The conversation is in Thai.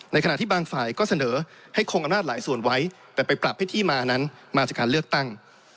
ขณะที่บางฝ่ายก็เสนอให้คงอำนาจหลายส่วนไว้แต่ไปปรับให้ที่มานั้นมาจากการเลือกตั้ง